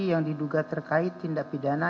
yang diduga terkait tindak pidana